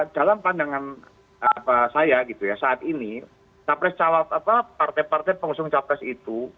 dalam pandangan saya gitu ya saat ini capres cawat apa partai partai pengusung capres itu